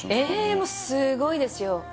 もうすごいですよ